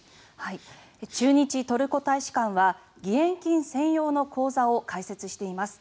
駐日トルコ大使館は義援金専用の口座を開設しています。